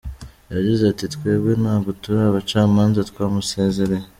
Yagize ati “Twebwe ntabwo turi abacamanza, twamusezereye.